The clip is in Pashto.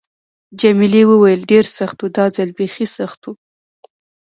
جميلې وويل:: ډېر سخت و، دا ځل بیخي سخت و.